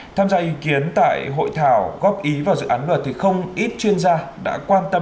tham gia ý kiến tại hội thảo góp ý vào dự án luật thì không ít chuyên gia đã quan tâm